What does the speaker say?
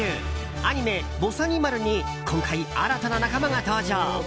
アニメ「ぼさにまる」に今回、新たな仲間が登場！